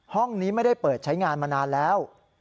ห้องนี้ไม่ได้เปิดใช้งานมานานแล้ว